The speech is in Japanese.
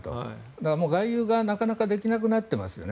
だから、もう外遊がなかなかできなくなってますよね。